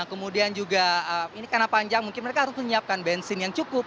kemudian juga ini karena panjang mungkin mereka harus menyiapkan bensin yang cukup